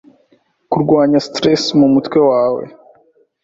Kurwanya stress mumutwe wawe